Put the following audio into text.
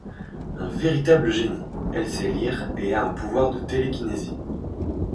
Un véritable génie; elle sait lire et a un pouvoir de télékinésie.